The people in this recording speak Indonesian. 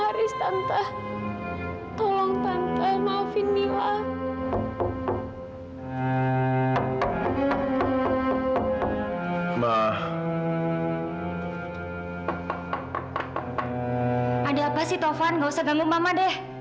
haris tante tolong tante maafin mila maaf ada apa sih taufan nggak usah ganggu mama deh